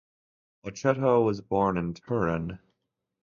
Occhetto was born in Turin.